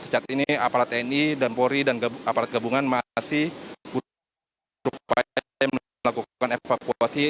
saat ini aparat tni dan polri dan aparat gabungan masih berupaya melakukan evakuasi